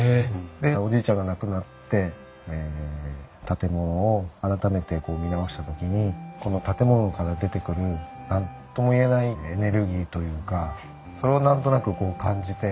でおじいちゃんが亡くなって建物を改めて見直した時にこの建物から出てくる何とも言えないエネルギーというかそれを何となく感じて。